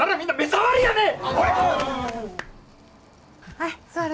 はい座ろ。